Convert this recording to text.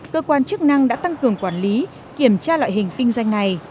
cơ quan chức năng đã tăng cường quản lý kiểm tra loại hình kinh doanh này